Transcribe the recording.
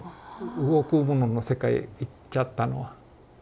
動くものの世界へ行っちゃったのは。